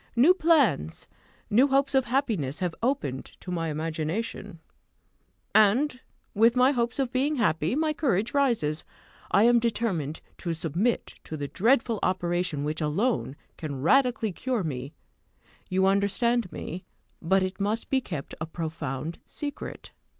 New plans, new hopes of happiness, have opened to my imagination, and, with my hopes of being happy, my courage rises. I am determined to submit to the dreadful operation which alone can radically cure me you understand me; but it must be kept a profound secret.